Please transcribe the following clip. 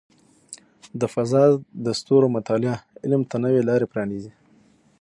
د فضاء د ستورو مطالعه علم ته نوې لارې پرانیزي.